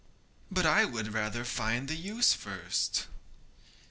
'But I would rather find out the use first.'